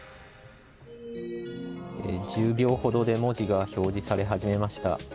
１０秒ほどで文字が表示され始めました。